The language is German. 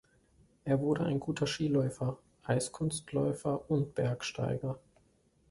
Er wurde ein guter Skiläufer, Eiskunstläufer und Bergsteiger.